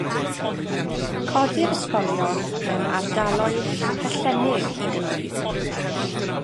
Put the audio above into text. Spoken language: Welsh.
Codir ysgolion mewn ardaloedd pellennig hyd yn oed.